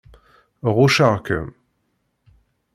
Ɣucceɣ-kem.